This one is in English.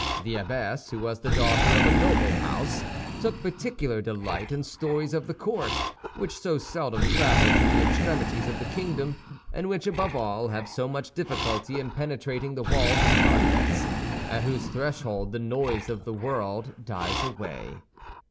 The abbess, who was the daughter of a noble house, took particular delight in stories of the court, which so seldom travel to the extremities of the kingdom, and which, above all, have so much difficulty in penetrating the walls of convents, at whose threshold the noise of the world dies away.